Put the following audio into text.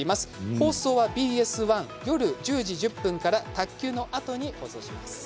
放送はＢＳ１夜１０時１０分から卓球のあとに放送します。